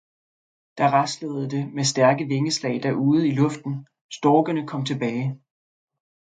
Da raslede det med stærke Vingeslag derude i Luften, Storkene kom tilbage.